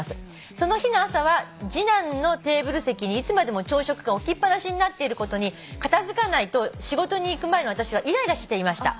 「その日の朝は次男のテーブル席にいつまでも朝食が置きっ放しになっていることに片付かないと仕事に行く前の私はイライラしていました」